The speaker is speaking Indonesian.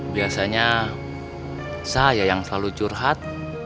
biasanya saya yang selalu curhat